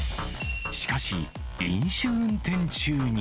しかし、飲酒運転中に。